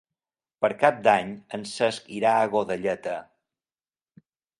Per Cap d'Any en Cesc irà a Godelleta.